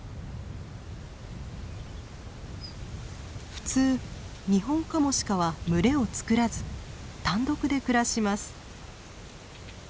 普通ニホンカモシカは群れをつくらず単独で暮らします。